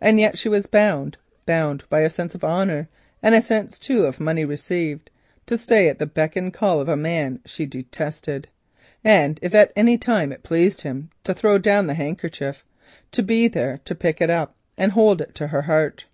And yet she was bound, bound by a sense of honour and a sense too of money received, to stay at the beck and call of a man she detested, and if at any time it pleased him to throw down the handkerchief, to be there to pick it up and hold it to her breast.